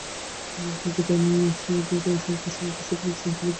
এমনকি কোটা নিয়ে আপনার বক্তব্যের পর সরকার সমর্থক ছাত্রসংগঠনও সাধুবাদ জানিয়েছে।